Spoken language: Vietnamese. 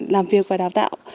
làm việc và đào tạo